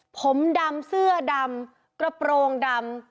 ผมดำเสื้อดำกระโปรงดำ